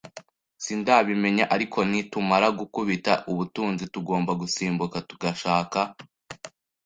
sindabimenya; ariko nitumara gukubita ubutunzi, tugomba gusimbuka tugashaka